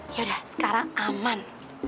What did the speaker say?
yaudah sekarang aman